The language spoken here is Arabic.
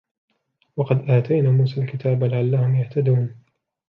ولقد آتينا موسى الكتاب لعلهم يهتدون